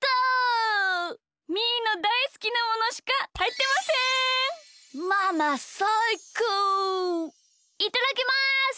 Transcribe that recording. いただきます！